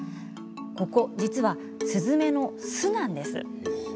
ここ、実はスズメの巣なんです。